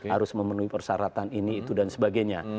harus memenuhi persyaratan ini itu dan sebagainya